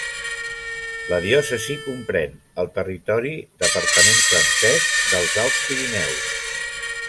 La diòcesi comprèn el territori departament francès dels Alts Pirineus.